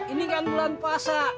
ini kan bulan puasa